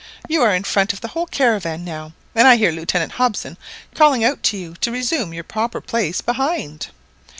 You are in front of the whole caravan now, and I hear Lieutenant Hobson calling out to you to resume your proper place behind."